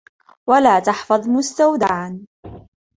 وَلَا تَحْفَظُ مُسْتَوْدَعًا